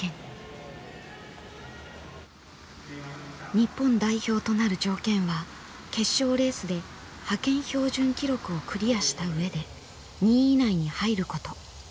日本代表となる条件は決勝レースで派遣標準記録をクリアした上で２位以内に入ること。